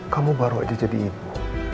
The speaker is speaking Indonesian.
kamu baru aja jadi ibu